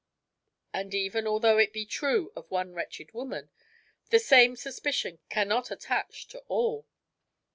And even although it be true of one wretched woman, the same suspicion cannot attach to all."